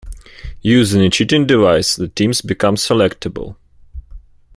Using a cheating device the teams become selectable.